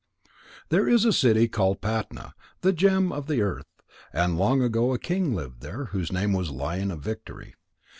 There is a city called Patna, the gem of the earth. And long ago a king lived there whose name was Lion of Victory.